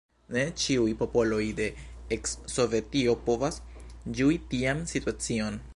Ne ĉiuj popoloj de eks-Sovetio povas ĝui tian situacion.